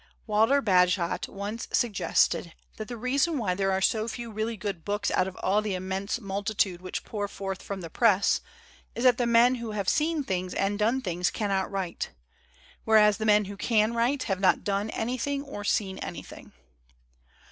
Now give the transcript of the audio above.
Walter Bagehot once sug gested that the reason why there are so few really good books out of all the immense multi tude which pour forth from the press, is that the men who have seen things and done things can not write, whereas the men who can write have not done anything or seen anything.